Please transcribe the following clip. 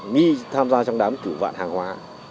nghĩ tham gia trong đám cử vạn hàng hóa